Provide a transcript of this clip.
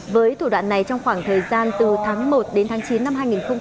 với thủ đoạn này trong khoảng thời gian từ tháng một đến tháng chín năm hai nghìn hai mươi